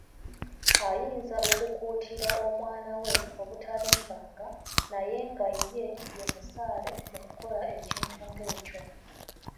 Ayinza okukuutira omwana we obutalimbanga, naye nga ye ye musaale mu kukola ekintu ng'ekyo.